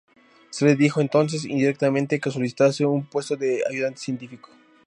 Se le dijo entonces, indirectamente, que solicitase un puesto de ayudante científico.